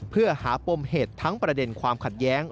เพื่อหาปมเหตุทั้งประเด็นความขัดแย้ง